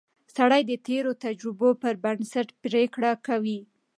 سړی د تېرو تجربو پر بنسټ پریکړه کوي